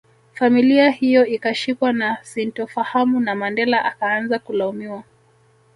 Familia hiyo ikashikwa na sintofahamu na Mandela akaanza kulaumiwa